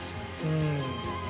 うん。